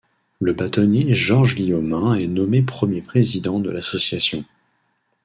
Le Bâtonnier Georges Guillaumin est nommé premier Président de l’association.